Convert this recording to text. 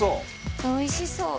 おいしそう！